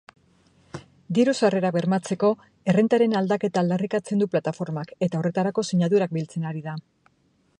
Diru-sarrerak bermatzeko errentaren aldaketa aldarrikatzen du plataformak eta horretarako sinadurak biltzen ari da.